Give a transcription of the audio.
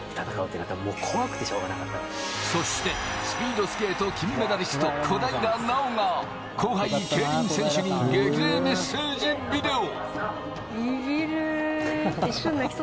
そしてスピードスケート金メダリスト・小平奈緒が後輩競輪選手に激励メッセージビデオ。